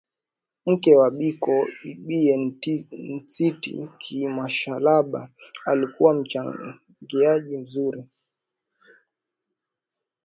Mke wa Biko bibie Ntsiki Mashalaba alikuwa mchangiaji mzuri